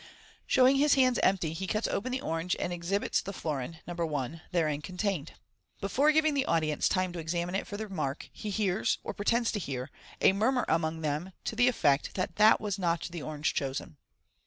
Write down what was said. Showing his hands empty, he cuts open the orange, and exhibits the florin (No. 1 ) therein con tained. Before giving the audience time to examine it for the mark, he hears, or pretends to hear, a murmur among them to the effect that that was not the orange chosen.